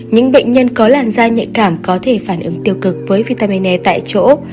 những bệnh nhân có làn da nhạy cảm có thể phản ứng tiêu cực với vitamin e tại chỗ